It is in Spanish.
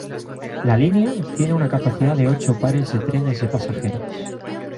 La línea tiene una capacidad de ocho pares de trenes de pasajeros.